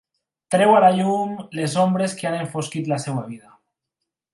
Treu a la llum les ombres que han enfosquit la seva vida.